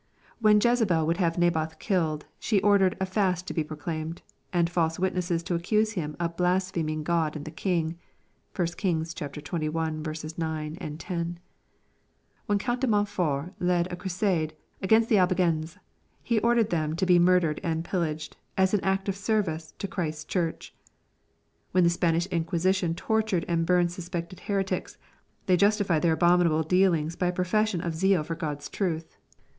When Jezebel would have N aboth killed, she ordered a " fast to be proclaimed," and false witnesses to accuse him of " blaspheming God and the king." (1 Kings xxi. 9, 10.) — When Count de Montfort led a cru sade against the Albigenses, he ordered them to be murdered and pillaged, as an act of sei vice to Christ's Church. When the Spanish Inquij5iti(m tortured and burned suspected heretics, they justified their abomin* able dealings by a profession of zeal for God's truth.